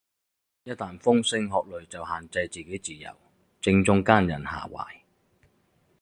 一但風聲鶴唳就限制自己自由，正中奸人下懷